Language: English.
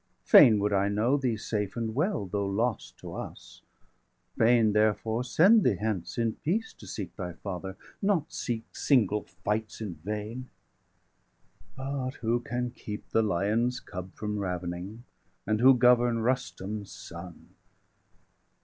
Fain would I know thee safe and well, though lost To us; fain therefore send thee hence, in peace To seek thy father, not seek single fights 90 In vain; but who can keep the lion's cub From ravening, and who govern Rustum's son?